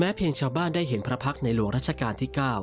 เพียงชาวบ้านได้เห็นพระพักษ์ในหลวงรัชกาลที่๙